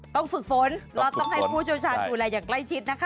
ต้องฝึกฝนแล้วต้องให้ผู้ชมชาญดูแลอย่างใกล้ชิดนะคะ